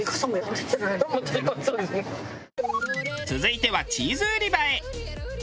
続いてはチーズ売り場へ。